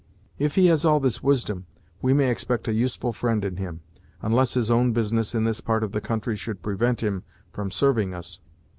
"If he has all this wisdom, we may expect a useful friend in him, unless his own business in this part of the country should prevent him from serving us."